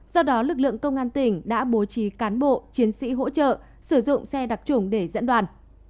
do đó lực lượng công an tỉnh đã bố trí cán bộ chiến sĩ hỗ trợ sử dụng xe đặc trùng để dẫn đoàn